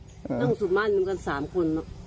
นั่งสุดมั่นเหลืองัน๓คนง่ะ